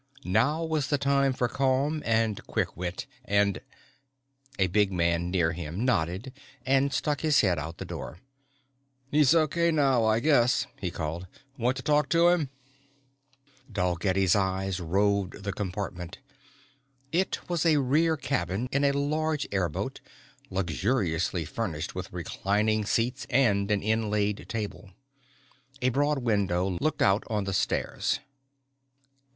Now was the time for calm and quick wit and A big man near him nodded and stuck his head out the door. "He's okay now, I guess," he called. "Want to talk to him?" Dalgetty's eyes roved the compartment. It was a rear cabin in a large airboat, luxuriously furnished with reclining seats and an inlaid table. A broad window looked out on the stairs.